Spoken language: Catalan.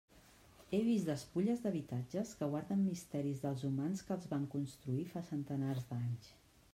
He vist despulles d'habitatges que guarden misteris dels humans que els van construir fa centenars d'anys.